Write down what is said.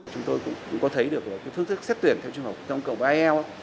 chúng tôi cũng có thấy được phương thức xét tuyển theo trung học phổ thông cầu ba l